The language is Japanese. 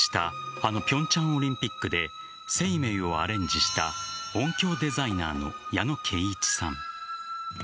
あの平昌オリンピックでＳＥＩＭＥＩをアレンジした音響デザイナーの矢野桂一さん。